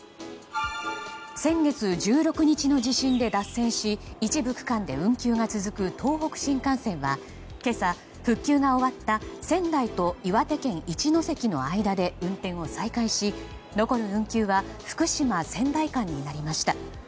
先月１６日の地震で脱線し一部区間で運休が続く東北新幹線は今朝復旧が終わった仙台と岩手県一関の間で運転を再開し残る運休は福島仙台間になりました。